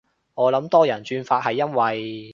我諗多人轉發係因為